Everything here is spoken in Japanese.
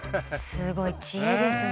すごい知恵ですね